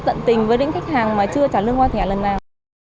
tận tình với những khách hàng mà chưa trả lương qua thẻ lần nào